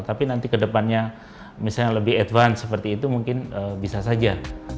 tapi nanti ke depannya misalnya lebih advance seperti itu mungkin bisa saja